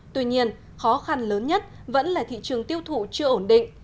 tuy nhiên khó khăn lớn nhất vẫn là thị trường tiêu thụ chưa ổn định